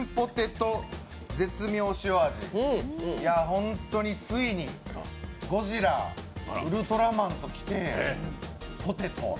本当についに、ゴジラ、ウルトラマンときて、ポテト。